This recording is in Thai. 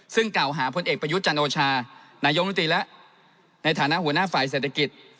ซึ่งกล่าวหาพลเอกประยุทธ์จันโอชานายกรมนตรีและในฐานะหัวหน้าฝ่ายเศรษฐกิจ